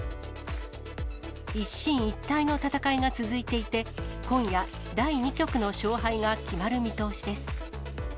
一進一退の戦いが続いていて、今夜、第２局の勝敗が決まる見通しです。